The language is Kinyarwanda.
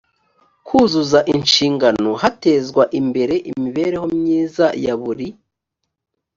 kuzuza inshingano hatezwa imbere imibereho myiza ya buri